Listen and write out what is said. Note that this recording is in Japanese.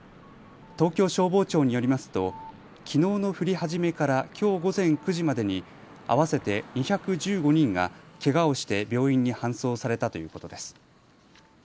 東京消防庁によりますときのうの降り始めからきょう午前９時までに合わせて２１５人がけがをして病院に搬送されたということです。